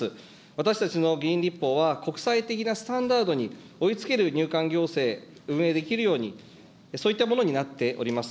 私たちの議員立法は国際的なスタンダードに追いつける入管行政、運営できるように、そういったものになっております。